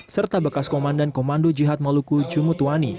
serta bekas komandan komando jihad maluku jumut wani